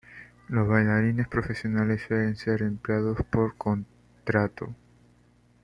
Los bailarines profesionales suelen ser empleados por contrato.